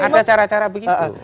ada cara cara begitu